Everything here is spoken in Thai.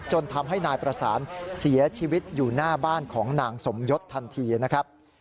ทำให้นายประสานเสียชีวิตอยู่หน้าบ้านของนางสมยศทันทีนะครับ